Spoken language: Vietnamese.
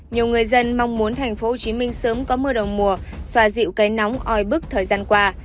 nhiều người dân mong muốn tp hcm sớm có mưa đầu mùa xoa dịu cây nóng oi bức thời gian qua